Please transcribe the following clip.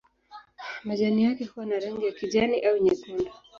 Majani yake huwa na rangi ya kijani au nyekundu.